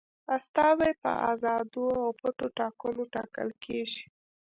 استازي په آزادو او پټو ټاکنو ټاکل کیږي.